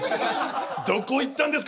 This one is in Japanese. どこ行ったんですか？